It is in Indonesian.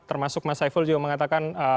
termasuk mas saiful juga mengatakan